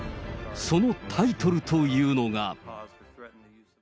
そのタイトルというのが。